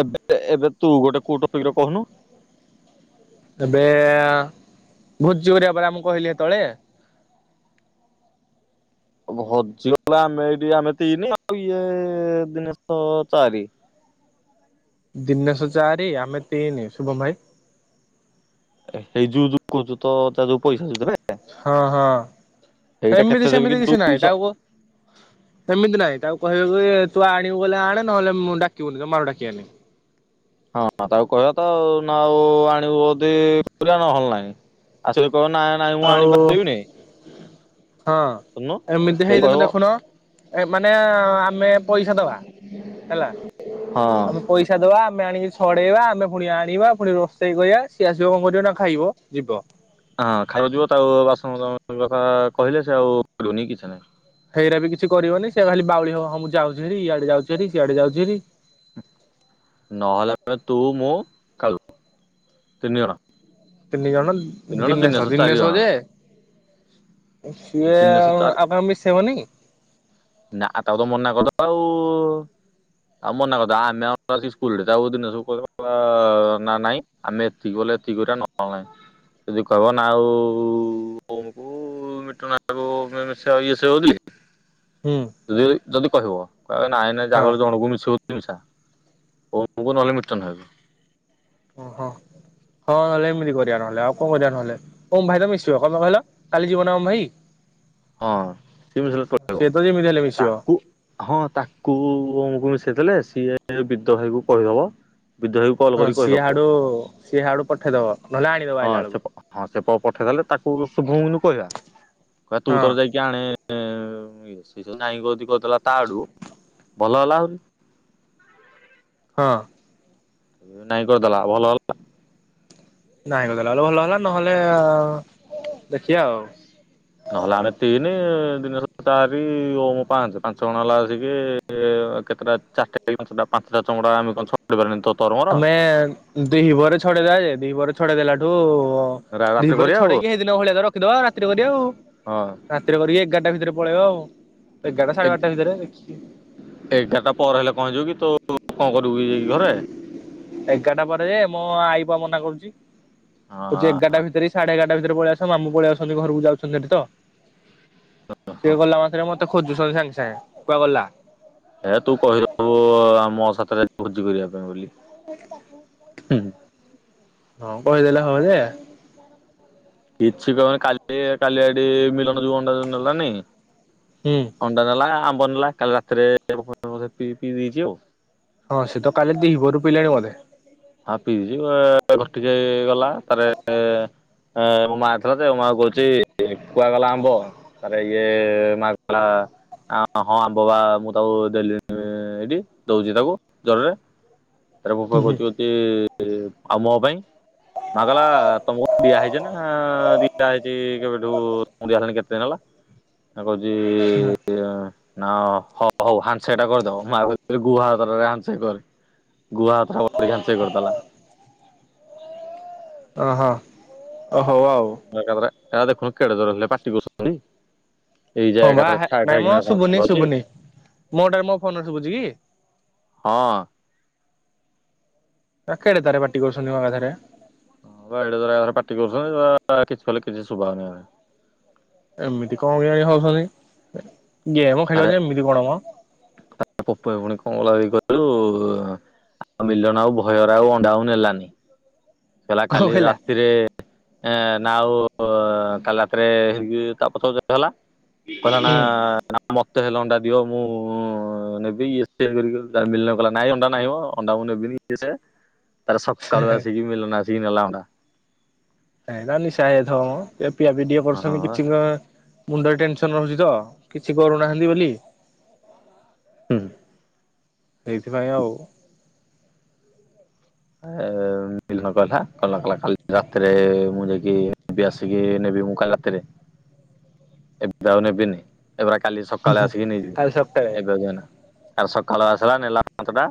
ଏବେ ଏବେ ତୁ ଗୋଟେ କଉ ଟପିକ୍ ରେ କହୁନୁ? ଏବେ-ଏଁ ଭୋଜି କରିଆ ପରା, ମୁଁ କହିଲି ହେତଳେ। [inaudible] ଭଜି ଗଲା ଆମେ ଏଇଠି ଆମେ ତିନି, ଆଉ ଇଏ-ଏ ଦିନେଷ ଚାରି ଁ ଦିନେଶ ଚାରି, ଆମେ ତିନି, ଶୁଭମ୍ ଭାଇ। ହେଇ ଜୁଜୁକୁଚୁତ ତା ଯୋଉ ପଇସା ଯଉ ଦେବେ। ହଁ, ହଁ, ସେଇଟା କେତେ ଏମିତି ଦେବେ କି ସେମିତି କିଛି ନାହିଁ। ଦୁଇଶହ। ତାକୁ ସେମିତି ନାଇଁ ତାକୁ କହିବେ କି ତୁ ଆଣିବୁ ବଲେ ଆଣେ, ନହେଲେ ମୁଁ ଡାକିବୁନି। ଜମାରୁ ଡାକି ଆନି। ହଁ, ତାକୁ କହିବା ତ ଆଉ ନା ଆଉ ଆଣିବୁ ୟଦି କରିଆ ନହେଲ ନାହିଁ। ଆସିବ୍ କହ ନାଁ ନାଇଁ ମୁଁ ଆଉ ଆଣିପାରିବିନି। ହଁ ଶୁଣୁନୁ ଏମିତି ସେ ସେଇଦିନ କହିବ ହଁ। ଦେଖୁନ ଏ ମାନେ ଆମେ ପଇସା ଦବା ହେଲା ଆମେ ହଁ ପଇସା ଦବା ଆମେ ଆଣିକି ଛଡେଇବା ଆମେ ପୁଣି ଆଣିବା ପୁଣି ରୋଷେଇ କରିବା ସିଏ ଆସିବ କଣ କରିବ ନା ଖାଇବ ଯିବ। ହଁ ଖାଇବ ଯିବ ତା ଆ ବାସ କଥା କହିଲେ ସେ ଆଉ କରୁନି କିଛି ନାହିଁ। ହେଇରା ବି କିଛି କରିବନି ସେ ଖାଲି ବାଉଳି ହବ ହଁ ମୁଁ ଯାଉଛିହରି ଇଆଡେ ଯାଉଛିହରି ସିଆଡେ ଯାଉଛିହରି। [inaudible] ନହେଲେ ତୁ ମୁଁ ଖାଉ ତିନି ଜଣ। ତିନି ଜଣ ତିନି ଜଣ ଦିନେଶର ଦିନେଶ ଚାରି ଜଣ ଦିନେଶର ଯେ ସିଏ ଦିନେଶ ଚାରି ଆଗାମ ମିଶେ ଇବନି? ନା ତାକୁ ତ ମନା କରିଦବା ଆଉ। ଆଉ ମନା କର ଦବା ଆମେ ଆଉ ବାକି ସ୍କୁଲ ରେ ତା ଦିନ ସବୁ କ ନା ନାଇଁ ଆମେ ଏତିକି କ ଏତିକି ଗୁରା ନଏଲେ ନାହିଁ ଯଦି କହିବ ନା ଆଉକୁ ମିଟଣା ହବ ସେ ସେଉ [unintelligible] ହୁଁ ଯଦି ଯଦି କହିବ କହିବ ନାଇଁ ନଁ ହଁ ଜାହାକୁ ହେଲେ ଜଣକୁ ମିଶିବ ମିଶା [unintelligible] କୁ ନହେଲେ ମିତନ ଭାଇକୁ। ଓ ହୋ। ହଁ ହେଲେ ଏମିତି କରିବା ନହେଲେ, ଆଉ କଣ କରିବା ନହଲେ ଓମ ଭାଇ ତମେ ମିସିବ କମେ କହିଲ କାଲି ଯିବ ନା ଓମ ଭାଇ। ହଁ ସିମ [unintelligible] ସିଏ ତ ଯେମିତି ହେଲେ ଆ ମିଶିବ ତାକୁ ହଁ ତାକୁ ଉମୁକୁ ମିଶେଇ ଦେଲେ ସିଏ ବିଦ ଭାଇକୁ କହିବ ମ। ହଁ ସିଏ ଆଡୁ ସିଏ ହାଡୁ ପଠେଇଦବ ନହେଲେ ଆଣିବ ହଁ ଆଇିଲା ସେ ବେଳକୁ। ହଁ ସେ ପ ପଠେଇଦଲେ ତାକୁ ଶୁଭମକୁ କହିବା କହିବା ତୁ ହଁ ତୋର ଯାଇକି ଆଣେ ସେ ସେ ତ ନାଇ ଯଦି କହିଦେଲା ତା ଆଡୁ ଭଲ ହେଲା ଆହୁରି। ହଁ। ନାଇଁ କରିଦେଲା ଭଲ ହେଲା। ନାଇ କଦଲା ଭ ଭଲ ହେଲା ନହେଲେ ଦେଖିବା ଆଉ। ଏ ଦିନ ଚାରି ଓ ମୋ ପାଞ୍ଚ ପାଞ୍ଚ ଜଣ ହେଲା ଆସିକି କେତେଟା ଚାରିଟା ଟା ପାଞ୍ଚଟା ଚମଡ଼ା ଆମେ କଣ [unintelligible] ପାରବୁନି ତ ଆମେ ଦିିପହରେ ଛଡେଇଦବା ଯେ ଦିିପହରେ ଛଡେଇ ଦେଲାଠୁ ହ ରାତିରେ ଦିପହରେ କରିବା ଆଉ। ଛଡେଇକି ସେଇଦିନ ଭଳିଆ ରଖିଦବା ଆଉ ରାତିରେ କରିବା ଆଉ ହଁ ରାତିରେ କରିକି ଏଗାରଟା ଭିତରେ ପଳେଇବା ଆଉ ଏଗାରଟା ସାଢେ ଏ ବାରଟା ଭିତରେ ଦେଖିକି ଏଗାରଟା ପରେ ହେଲେ କଣ ହେଇଯିବ କି ତୁ କଣ କରିବୁ କି ଯାଇକି ଘରେ? ଏଗାରଟା ପରେ ଯେ ମୁଁ ଆଇପ ମନା କରୁଚି। କହୁଚି ହଁ ଏଗାରଟା ଭିତରେ ସାଢେ ଏଗାରଟା ଭିତରେ ପଳେଇ ଆସ, ମାମୁ ପଳେଇ ଆସଛନ୍ତି ଘରକୁ ଯାଉଛନ୍ତି ସେଠି ତ। ହଁ ସିଏ ଗଲା ମାତ୍ରେ ମତେ ଖୋଜୁଛନ୍ତି ସାଙ୍ଗେ ସାଙ୍ଗେ କୁହାରେ ଗଲା? ହେ ତୁ କହିଦବୁ ଆ ମୋ ସାାତରେ ଭୋଜି କରିବା ପାଇଁ ବୋଲି। ହୁଁ ହଁ କହିଦେଲେ ହବ ଯେ କିଛି କହାବେନି କାଲି କାଲିଆଡେ ମିଲନ ଯଉ ଅଣ୍ଡା ଟା ନେଲାନି? ହୁଁ ଅଣ୍ଡା ନେଲା ଆମ୍ବ ନେଲା କାଲି ରାତିରେ ପିଇ ପିଇ ଦେଇଚି ଆଉ। ହଁ ସେ ତ କାଲି ଦିପହରୁ ପିଇଲାଣି ବୋଧେ। ହଁ ପିଇଚି ଘଟି ଯାଇ ଗଲା ତାରେ ହ ମୋ ମା ଥିଲା ଯଉ ମାଙ୍କୁ କହୁଚି କୁହାରେଗଲା ଆମ୍ବ? ୟେ ମା କଲା ହଁ ଆମ୍ୱ ପା ମୁଁ ତାକୁ ଦେଲିଣି ଏଇଠି ଦଉଚି ତାକୁ ଜ୍ୱରରେ ତାର ମୁ ପା କହୁଚି ଚି ଆଉ ମୋ ପାଇଁ? ମା କହିଲା ତମ କୁ ପା ଦିଆ ହେଇଚି ନା ଦିଆ ହେଇଚି କେବେଠୁ ତମକୁ ଦିଆ ହେଲାଣି କେତେ ଦିନ ହେଲା। [inaudible] କହୁଚି ନା ହଉ ହଉ ହ୍ୟାଣ୍ଡଶେକ୍ ଟା କରିଦବ। ମୁ ଭାବୁଥିଲି ଗୁହ ହାତରେ ହ୍ୟାଣ୍ଡଶେକ୍ କରେ। ଗୁହ ହାତଟା ବଢ଼େଇକି ହାଣ୍ଡସେକ୍ କରିଦେଲା। ଓ ହୋ ଓ ହୋ ଆଉ। ଏକାଥରେ ଏରା ଦେଖୁନୁ କେଡେ ଜୋର ହେଲେ ପାଟିକରୁସନ୍ତି। ହଁ ବା ହେ ନାଇଁ ମଁ ଶୁଭୁନି ଶୁଭୁନି ମୋ ଟାରେ ମୋ ଫୋନରେ ଶୁଭୁଛି କି? ହଁ। ତା କେଡେ ତାର ପାଟି କରୁଛନ୍ତି ମ ଏକାଥରେ ହଁ ବା ଏଡ଼େ ଜୋରେ ଆହୁରି ପାଟି କରୁଛନ୍ତି ତ କିଛି ବୋଲି କିଛି ଶୁଭାହୋଉନି। ଏମିତି କଣ କିଆଣି ହଉଛନ୍ତି? ଗେମ ଖେଳିବ ଆରେ ଯେ ଏମିତି କଣ ମ। ଲୁ ଆଉ ମିଲନ ଆଉ ଭୟରେ ଆଉ ଅଣ୍ଡା ଆଉ ନେଲାନି। କହିଲା କାଲି ରାତିରେ ଏ ନା ଆଉ କାଲି ରାତିରେ ହେ ଯିବି ତାପଛ ପଛେ ହେଇଗଲା। କହିଲା ନା ହୁଁ। ନାଁ ମ ତ ହେଲେ ଅଣ୍ଡା ଦିଅ ମୁଁ ନେବି [unintelligible] ମିଲନ କହିଲା ନାଇଁ ଅଣ୍ଡା ନାହିଁ ଅଣ୍ଡା ମୁଁ ନେବି। ନି କି ସେ ହ ତାର ସକାଳୁ ଆସିକି ମିଳନ ଆସିକି ନେଲା ଅଣ୍ଡା। ନାଇ ନା ନିଶା ହେଇଯାଇଥିବ ମ ଏ ପିଆପିଇ ଟିକେ କରୁଛନ୍ତି ହଁ କିଛି ମୁଣ୍ଡରେ ଟେନସନ ରହୁଛି ତ କିଛି କରୁନାହାନ୍ତି ବୋଲି ହୁଁ। ସେଇଥିପାଇଁ ଆଉ ଏ ବିଲ କହିଲା କହିଲା କହିଲା କାଲି ରାତିରେ ମୁଁ ଯାଇକି ଆସିକି ନେବି ମୁଁ କାଲି ରାତିରେ ହ ଏବେ ଆଉ ନେବିନି ଏବେରା କାଲି ସକାଳେ ଆସିକି ନେଇଯିବି କାଲି ସକାଳେ ଏବେ ଆଉ ଯନା। ଆରେ ସକାଳ ଆସିଲା ନେଲା ପାଞ୍ଚ ଟା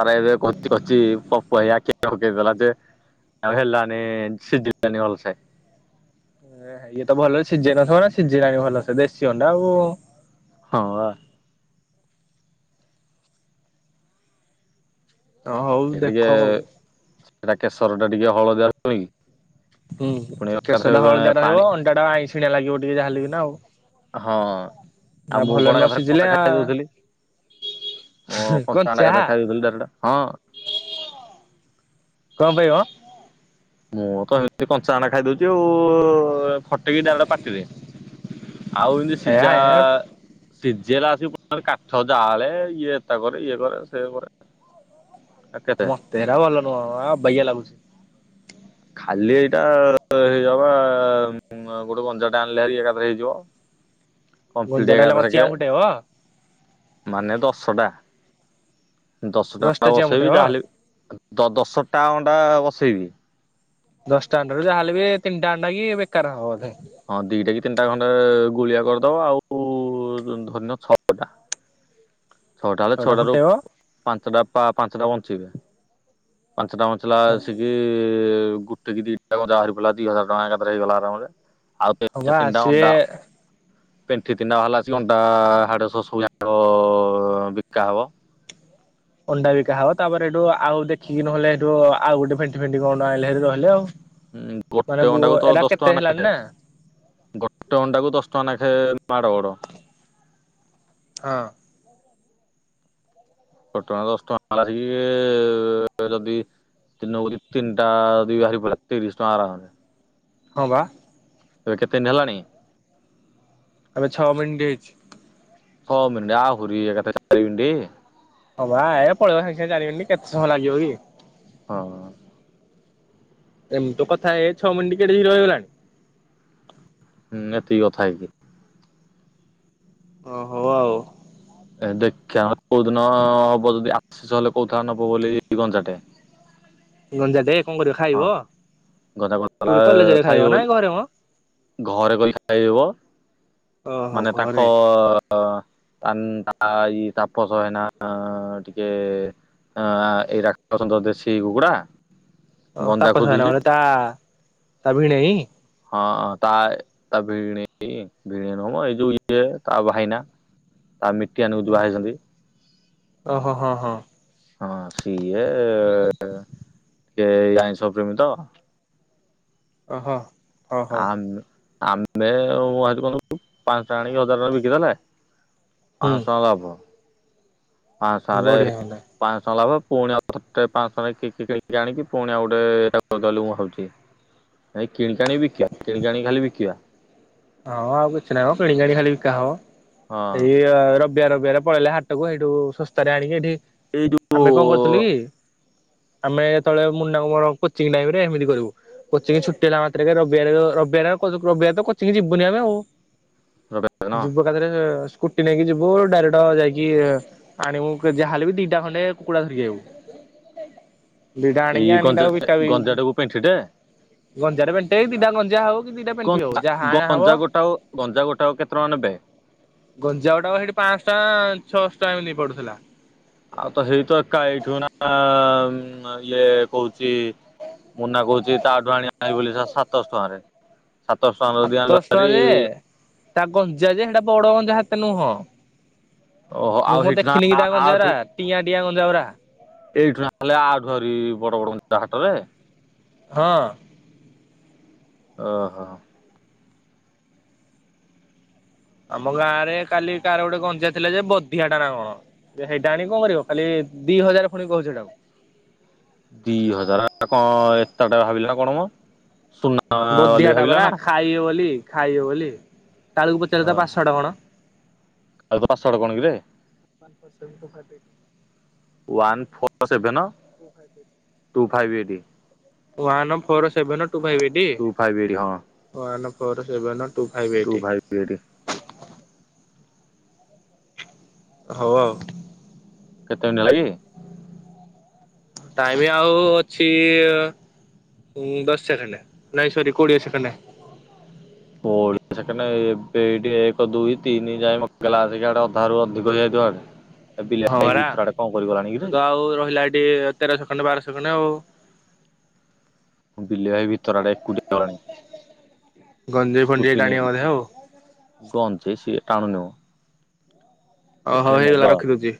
ତାର ଏବେ କଉଚି କଉଚି ପ କହିଲା କେ [unintelligible] ଦେଲା ଯେ ଆଉ ହେଲଣି ସିଜିଲାଣିି ଭଲସେ ଇଏ ତ ଭଲ ସିଝେଇ ନଥିବ ନା ସିଝିଲାଣି ଭଲସେ ଦେଶୀ ଅଣ୍ଡା ଆଉ। ହଁ। ହ ହଉ ଦେଖ ଆଉ। ସେଇଟା କେଶର ଟା ଟିକେ ହଳଦିଆ ରହୁନି କି। ହୁଁ ପୁଣି କେଶ ଏକାଥରେ ଟା ହଳଦିଆ ପାଣି ରହିବ ଅଣ୍ଡାଟା ଆଇଁସିଣିଆ ଲାଗିବ ଟିକେ ଯାହା ହେଲେ ବି ନା ଆଉ। ହଁ ଆ ଆଉ ମୁଁ ଭଲ କଣ ନ କରେ କଣ ସିଝିଲେ ଆ ପାଖ ଦଉଥିଲି। ଓ କଞ୍ଚା ନାଖେ ଦେଖା ଯାଉଥିଲା ଡାଇରେକ୍ଟ ହଁ କଣ ପାଇଁ ଆଁ ମୁଁ ତ ଏମିତି କଞ୍ଚା ଆଣ୍ଡା ଖାଇଦଉଛି ଆଉ ଫଟେଇକି ଡାଇରେକ୍ଟ ପାଟିରେ ଆଉ ଏମିତି ହେରା ସିଝା ଏ ସିଝେଇଲା ଆସିକି ପୁଣି କାଠ ଜାଳେ ଇଏ ତା କରେ ଇଏ କରେ ସେ କରେ। ଆଉ ଆ କେତେ ମତେରା ଭଲ ନୁହଁ ଆଉ ଅବାଗିଆ ଲାଗୁଛି। ଖାଲି ଏଇଟା ହେଇଯବା ଗୋଟେ ଗଞ୍ଜାଟେ ଆଣିଲେ ହାରି ଏକାଥରେ ହେଇଯିବ। କମ୍ପ୍ଲିଟ୍ ହେ ଗୁଞ୍ଜାଟା ହେଲେ କଣ ଚିଆଁ ଏକଥରକ ଫୁଟେଇବ ମାନେ ଦଶଟା। ଦଶଟା ଅଣ୍ଡା ଚିଆଁ ବସେଇବି ଫୁଟେଇବ ଯାହାହେଲେ ଦ ଦ ଦଶଟା ଅଣ୍ଡା ବସେଇବି। ଦଶଟା ଅଣ୍ଡାରୁ ଯାହେଲେ ବି ତିନିଟା ଆଣ୍ଡା କି ବେକାର ହବ ବଧେ। ହଁ ଦିଟା କି ତିନିଟା ଖଣ୍ଡେ ଗୁଳିଆ କରିଦବ ଆଉ ଉ ଧରିନିଅ ଛଅ ଟା ଛଅଟା ହେଲେ ଛଅଟାରୁ ପାଞ୍ଚଟା ପା ପାଞ୍ଚଟା ବଞ୍ଚିବେ। ପାଞ୍ଚଟା ବଞ୍ଚିଲା ଆଲସିକି ଗୋଟେ କି ଦିଟା ଗଞ୍ଜା ବାହାରିପଡିଲା ଦି ହଜାର ଟଙ୍କା ଏକାଥରେ ହେଇଗଲା ଆରାମରେ ଆଉ କେ ହଁ କେତ୍ ବା କେତିଁଟା ସିଏ ଅଣ୍ଡା ପେଣ୍ଠି ଦିନ ହେଲା ଆସିକି ଅଣ୍ଟା ହାଡ ରସ ସବୁଯାକ କ ବିକା ହବ। ଅଣ୍ଡା ବିିକା ହବ ତା ପରେ ଏଠୁ ଆଉ ଦେଖିକି ନହେଲେ ସେଠୁ ଆଉ ଗୋଟେ ପେଣ୍ଠି ଫେଣ୍ଟି କଣ ଆଣିଲେ ରହିଲେ ଆଉ। ହୁଁ ମାନେ ଗୋଟେ ବୁ ଅଣ୍ଡାକୁ ତ ଏରା ଦଶ ଟଙ୍କା କେତେ ହେଲାଣି ନେଖାଏ ନା ଗୋଟେ ଅଣ୍ଡାକୁ ଦଶ ଟଙ୍କା ନେଖାଏ। ମାଡ଼ ଗୋଡ଼। ହଁ। ଫଟା ଅଣ୍ଡା ଦଶ ଟଙ୍କା ଆସିକି ଇଏ ଯଦି କିଣିନବ ଯଦି ତିନଟା ଦେଇ ବାହାରକୁ ପଳାଉ ତିରିଶି ଟଙ୍କା ନା କଣ ଯେ‌। ହଁ ବା। ଏବେ କେତେ ଦିନ ହେଲାଣି? ଏବେ ଛଅ ମିନିଟ ହେଇଛି। ଛଅ ମିନିଟି ଆହୁରି ଏକାଥରେ ଚାରି ମିନିଟି। ହଁ ବା ଏ ପଳେଇବ ସାଙ୍ଗେ ସାଙ୍ଗେ ଚାରି ମିନିଟ କେତେ ସମୟ ଲାଗିବ କି। ହଁ। ଏମିତି ତ କଥା ହେଇ ହେଇ ଛଅ ମିନିଟି କେଡ଼େ ଶୀଘ୍ର ହେଇଗଲାଣି। ହୁଁ ଏତିକି କଥା ହେଇକି। ଓ ହଉ ଆଉ। ଏ ଦେଖିବା କୋଉ ଦିନ ହବ ଯଦି ଆସି ସାଇଲେ କହୁଥିଲା ନବ ବୋଲି ଗଞ୍ଜାଟେ। ଗଞ୍ଜା ଟେ କଣ କରବ ହଁ ଖାଇବ ଗଞ୍ଜା କ କୋଉଠି କଲେଜ୍ ରେ ଖାଇବ ନା ଘରେ ମ? ଘରେ କରି ଖାଇ ହବ। ଓହୋ ମାନେ ତାଙ୍କ ଘରେ ପାନ ଖାଇ ତାପସ ଏଇନା ଟିକେ ଅଁ ଆ ଏଗୁରାକ ପ୍ରଥମଥର ଦେଶୀ କୁକୁଡ଼ା। ଓ ତାପସ ଭାଇନା ଘରେ ତା ତା ଭିଣେଇ? ହଁ ତାଏ ତା ଭିଣେଇ ଭିଣେଇ ନୁହଁମ ଏଇ ଯୋଉ ଇଏ ତା ଭାଇନା। ହଁ ତା ମିଟି ଆନିବୁ ଝୁଅ ବାହା ହେଇଛନ୍ତି। ଓ ହୋ ହଁ ହଁ। ହଁ ସିଏ ଏଇ ଆଇଁଷ ପ୍ରେମୀ ତ। ଓ ହୋ। ଆମେ ଆମେ ସବୁ ଆଣିଛୁ କଁ କହିଲୁ ପାଁଶ ଟଙ୍କା ଆଣିକି ହଜାର ଟଙ୍କାର ବିକି ଦେଲା ହୁଁ ହଁ ସ ସବୁ। ପାଁଶହ ରେ ବଢିଆ ହୁଅନ୍ତା ପାଁଶହ ଲାଭ। ପୁଣି ଆଉ ଥରେ ପାଁଶ ଟଙ୍କା ନେଇକି କିଣି କି ଆଣିକି ପୁଣି ଆଉ ଗୋଟେ ତାକୁ ଦେଲୁ ହଉଛି ନାଇଁ କିଣିକାଣି ବିକିବା କିଣିକି ଆଣି ଖାଲି ବିକିବା। ହଁ ଆଉ କିଛି ନାହିଁ ମ କିଣିିକାଣି ଖାଲି ବିକା ହବ ହଁ ଏଇ ରବିବାର ର ଜୁଆଡେ ପଳେଇଲେ ହାଟକୁ ସେଇଠୁ ଶସ୍ତାରେ ଆଣିକି ଏଠି ଏଇ ଯୋଉ ଆମେ କଣ କରୁଥିଲୁ କି ଆମେ ଯେତେବେଳେ ମୁନା ଆଉ ମୋର କୋଚିଙ୍ଗ୍ ଟାଇମ୍ ରେ ଏମିତି କରିବୁ କୋଚିଙ୍ଗ୍ ଛୁଟି ହେଲା ମାତ୍ରେକେ ରବିବାର ରବିବା ଅବିକାତ କୋଚିଙ୍ଗ୍ ଯିବୁନି ଆମେ ଆଉ ରବିନ ଯିବୁ ଏକାଥରେ କେ ସ୍କୁ ସ୍କୁଟି ନେଇକି ଯିବୁ ଡାଇରେକ୍ଟ ଯାଇକି ଆଣିବୁ ଯାହା ହେଲେ ବି ଦିଟା ଖଣ୍ଡେ କୁକୁଡ଼ା ଧରିଆକୁ। [unintelligible] ଦିଟା ଆଣିକି ଏଇ ଆଣିକି ଗଞ୍ଜା ତାକୁ ବିକା ବି ଗଞ୍ଜାଟାକୁ ପେଣ୍ଠିଟେ ଗଞ୍ଜାଟା ଗୋଟେ ଦିଟା ଗଞ୍ଜା ହଉ କି ଦିଟା ପେଣ୍ଠି ହଉ। ଗଞ୍ଜା ଯାହା ଆଣା ଗଞ୍ଜା ହବ ଗୋଟାକ ଗଞ୍ଜା ଗୋଟାକ କେତେ ଟଙ୍କା ନେବେ? ପାଁଶହ ଟଙ୍କା ଛଅଶହ ଟଙ୍କା ଏମିତି ପଡୁଥିଲା। ଆଉ ହୁଁ ଆ ଇଏ କହୁଛି ମୁନା କହୁଛି ତାଠୁ ଆଣିଆ ବୋଲି ସାତଶହ ଟଙ୍କାରେ। ସାତଶହ ଟଙ୍କାରେ ଯଦି ଆଣିଲୁ ସାତଶହ ଟଙ୍କା ଭାରି ଯେ ତା ଗଞ୍ଜା ଯେ ସେଟା ବଡ ଗଞ୍ଜା ସେତେ ନୁହଁ। ଓହୋ ଆଉ ମୁଁ କଁ ହେଇଠି ନା ଦେଖିନି କି ତା ଆଠୁ ଗଞ୍ଜାଗୁରା ଟିଆଁ ଟିଆଁ ଗଞ୍ଜାଗୁରା। ଏଇଠୁ ନ ହେଲେ ଆଠୁ ଆହୁରି ବଡ ବଡ ଉଞ୍ଚା ହାଟରେ। ହଁ। ଓ ହୋ। ଆମ ଗାଁ ରେ କାଲି କାର ଗୋଟେ ଗଞ୍ଜା ଥିଲା ଯେ ବଧିଆ ଟା ନା କଣ ଯେ ସେଇଟା ଆଣି କଣ କରିବ ଖାଲି ଦି ହଜାର ପୁଣି କହୁଚି ହେଟାକୁ। ଦି ହଜାର କଣ ଏତେ ଟା ଭାବିଲା ନା କଣ ମ। ସୁନା ବୋଲି ବଧିଆ ଟା ଭାବିଲା ପରା ନା। ଖାଇବେ ବୋଲି ଖାଇବେ ବୋଲି ତାଳୁକୁ ପଚାରିଲ ହଁ ତା ପାସ୍ୱାଡ଼ କଣ? ଆଉ ପାସ୍ୱାଡ କଣ କିରେ। One four seven two five ଏଇଟି। One four seven two five ଏଇଟି ଟୁ ଫାଇଭ୍ ଏଇଟ୍ ହଁ one four seven two five two eight five ଏଇଟି, ହଉ ଆଉ। କେତେ ମିନଟି ହେଲାକି? ଟାଇମ ଆଉ ଅଛି ହଁ ଦଶ ସେକେଣ୍ଡ ନାଇଶରି କୋଡ଼ିଏ ସେକେଣ୍ଡ। କୋଡିଏ ସେକଣ୍ଡ ଏବେ ଏଇଠି ଏକ ଦୁଇ ତିନି ଯାଏ ମତେ ଇଲାଳକୁ ଅଧାରୁୁ ଅଧିକ ଜାଇ ଥିଵ ଚାର [inaudible] ହଁ ପରା ଏବେତ ଆଉ ରହିଲା ଏଠି ତେର ସେକେଣ୍ଡ ବାରସେ ସେକେଣ୍ଡ ଆଉ। ବିଲେଇ ଭାଇ ଭିତର ଆଡେ ଏକୁଟିଆ ଗଲାଣି। ଗଞ୍ଜେଇ ଫଞ୍ଜେଇ ସ୍କୁଟି ଟାଣିବ ନେଇକି ବୋଧେ ଆଉ। ଗଞ୍ଜେଇ ସିଗାରେଟ ଟାଣୁନିମ। ଓହୋ ହେଇଗଲା ରଖିଦଉଚି।